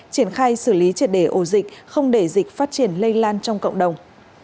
triển khai xử lý triệt đề ổ dịch không để dịch phát triển lây lan trong cộng đồng